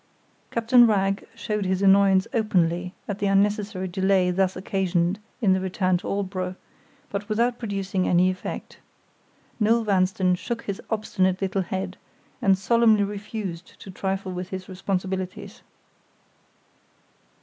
Captain Wragge showed his annoyance openly at the unnecessary delay thus occasioned in the return to Aldborough, but without producing any effect. Noel Vanstone shook his obstinate little head, and solemnly refused to trifle with his responsibilities.